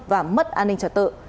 và mất an ninh trật tự